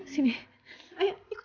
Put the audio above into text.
nino di luar nungguin aku